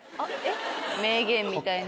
名言みたいな。